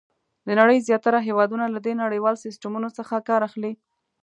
د نړۍ زیاتره هېوادونه له دې نړیوال سیسټمونو څخه کار اخلي.